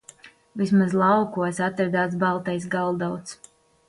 Vismaz laukos atradās baltais galdauts.